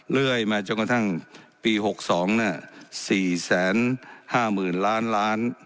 เรื่อยมาจนกระทั่งปีหกสองน่ะสี่แสนห้ามืนล้านล้าน